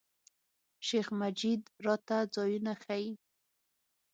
شیخ مجید راته ځایونه ښیي.